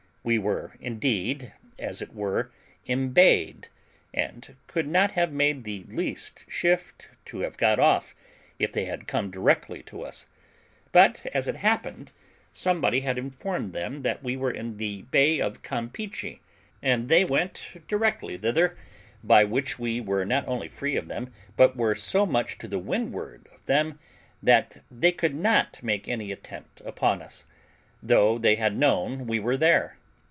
We were indeed as it were embayed, and could not have made the least shift to have got off, if they had come directly to us; but, as it happened, somebody had informed them that we were in the Bay of Campeachy, and they went directly thither, by which we were not only free of them, but were so much to the windward of them, that they could not make any attempt upon us, though they had known we were there.